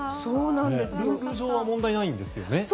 ルール上は問題ないんですよね。